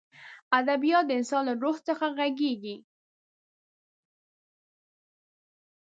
ادبیات د انسان له روح څخه غږېږي.